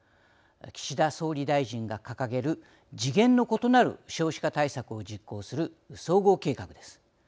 岸田総理大臣が掲げる次元の異なる少子化対策を実行する総合計画です。